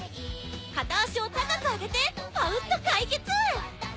片足を高く上げてパウっと解決！